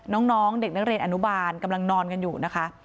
น้องเด็กนักเรียนอนุบาลกำลังนอนกันอยู่นะคะ